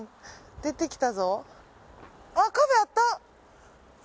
出てきた。